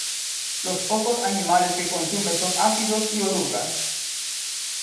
Los pocos animales que consume son áfidos y orugas.